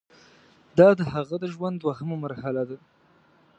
دا د هغه د ژوند دوهمه مرحله ده.